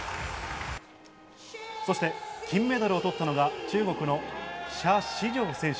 そして金メダルを取ったのが中国のシャ・シジョウ選手。